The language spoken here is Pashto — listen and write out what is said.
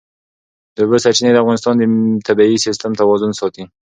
د اوبو سرچینې د افغانستان د طبعي سیسټم توازن ساتي.